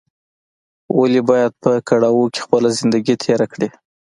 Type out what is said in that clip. ولې باید په کړاوو کې خپله زندګي تېره کړې